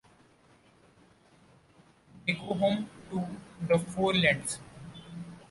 They go home to the Four Lands.